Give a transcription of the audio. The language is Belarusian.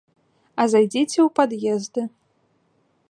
А зайдзіце ў пад'езды.